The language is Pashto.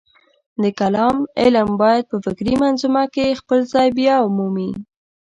د کلام علم باید په فکري منظومه کې خپل ځای بیامومي.